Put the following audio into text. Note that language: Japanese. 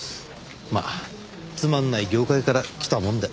まあつまんない業界から来たもんで。